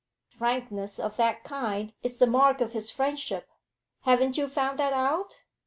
Frankness of that kind is the mark of his friendship haven't you found that out?